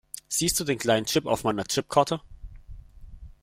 Siehst du den kleinen Chip auf meiner Chipkarte?